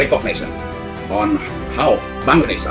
untuk menjalani ekonomi kita di bank indonesia